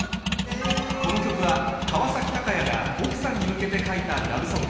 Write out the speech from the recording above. この曲は、川崎たかやが奥さんに向けて書いたラブソング。